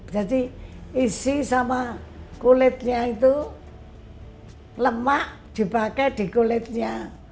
jadi isi sama kulitnya itu lemak dipakai di kulitnya